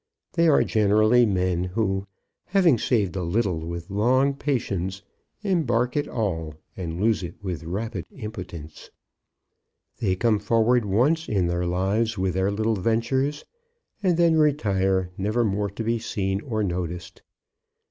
They are generally men who, having saved a little with long patience, embark it all and lose it with rapid impotence. They come forward once in their lives with their little ventures, and then retire never more to be seen or noticed.